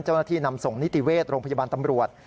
เจ้นาฬินำส่งนิติเวชรณภัยบาลตำรวจ